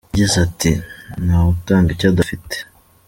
Yagize ati “Nta wutanga icyo adafite.